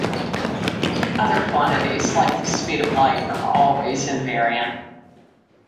Other quantities, like the speed of light, are always invariant.